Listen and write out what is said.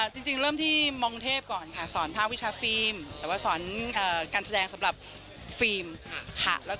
จริงเริ่มที่มองเทพก่อนค่ะสอนภาควิชาฟิล์มแต่ว่าสอนการแสดงสำหรับฟิล์มค่ะ